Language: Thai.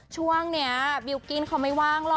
ช่วยเนี๊ยะบิลกิ้นเค้าไม่ว้างหรอ